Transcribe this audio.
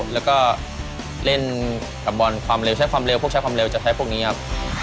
แล้วก็เล่นกับบอลความเร็วใช้ความเร็วพวกใช้ความเร็วจะใช้พวกนี้ครับ